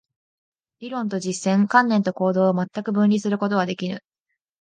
理論と実践、観念と行動を全く分離することはできぬ。